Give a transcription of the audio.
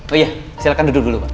oh iya silakan duduk dulu pak